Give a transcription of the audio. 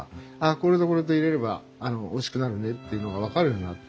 これとこれと入れればおいしくなるねっていうのが分かるようになって。